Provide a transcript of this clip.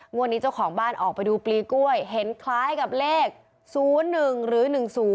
วันนี้เจ้าของบ้านออกไปดูปลีกล้วยเห็นคล้ายกับเลข๐๑หรือ๑๐